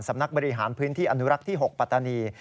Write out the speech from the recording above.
สำนักบริหารพื้นที่อนุรักษ์ที่๖ปัตตานี